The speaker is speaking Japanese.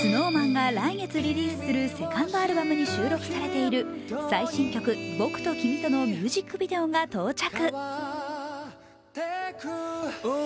ＳｎｏｗＭａｎが来月リリースするセカンドアルバムに収録されている最新曲「ボクとキミと」のミュージックビデオが到着。